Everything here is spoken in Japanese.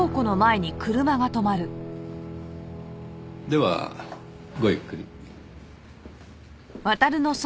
ではごゆっくり。